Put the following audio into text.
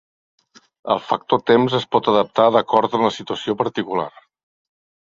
El factor temps es pot adaptar d'acord amb la situació particular.